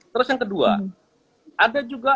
terus yang kedua ada juga